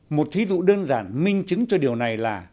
một thí dụ đơn giản minh chứng cho điều này là